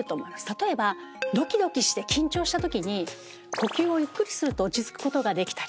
例えばドキドキして緊張したときに呼吸をゆっくりすると落ち着くことができたり。